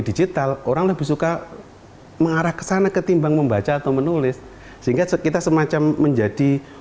digital orang lebih suka mengarah ke sana ketimbang membaca atau menulis sehingga kita semacam menjadi